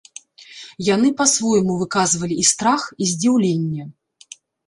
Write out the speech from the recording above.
Яны па-свойму выказвалі і страх, і здзіўленне.